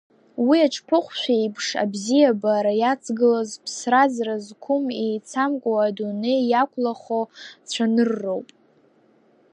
Уи аҽԥыхәшә еиԥш абзиабара иацгылаз, ԥсра-ӡра зқәым, еицамкуа, адунеи иақәлахо цәанырроуп.